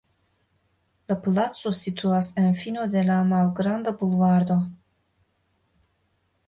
La placo situas en fino de la malgranda bulvardo.